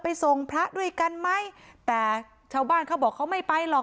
ส่งพระด้วยกันไหมแต่ชาวบ้านเขาบอกเขาไม่ไปหรอก